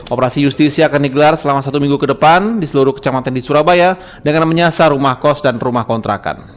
operasi justisi akan digelar selama satu minggu ke depan di seluruh kecamatan di surabaya dengan menyasar rumah kos dan rumah kontrakan